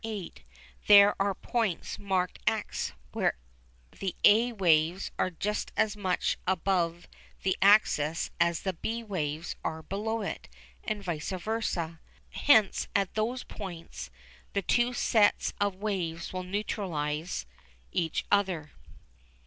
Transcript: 8 there are points marked x, where the a waves are just as much above the axis as the b waves are below it, and vice versa. Hence at those points the two sets of waves will neutralise each other.